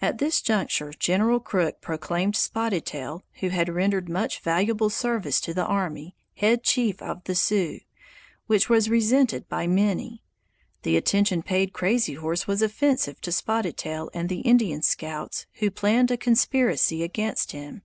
At this juncture General Crook proclaimed Spotted Tail, who had rendered much valuable service to the army, head chief of the Sioux, which was resented by many. The attention paid Crazy Horse was offensive to Spotted Tail and the Indian scouts, who planned a conspiracy against him.